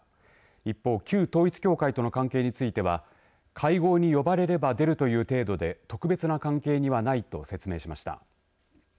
一方、旧統一教会との関係については会合に呼ばれれば出るという程度で特別な関係にはないと説明しました。